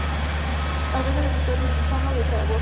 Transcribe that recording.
Alberga el Museo Diocesano de Zaragoza.